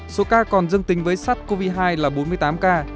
số ca còn dương tính với sát covid hai là bốn mươi tám ca